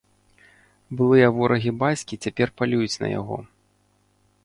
Былыя ворагі бацькі цяпер палююць на яго.